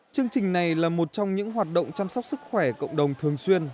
chương trình này là một trong những hoạt động chăm sóc sức khỏe cộng đồng thường xuyên